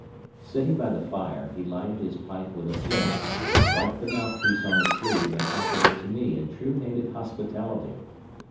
Sitting by the fire, he lighted his pipe with a flint, wiped the mouthpiece on his sleeve and offered it to me in true native hospitality.